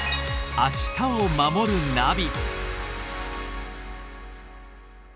「明日をまもるナビ」